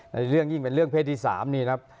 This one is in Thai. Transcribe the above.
ในเรื่องยิ่งเป็นเรื่องเพศที่๓นี่ครับ